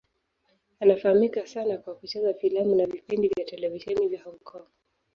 Anafahamika sana kwa kucheza filamu na vipindi vya televisheni vya Hong Kong.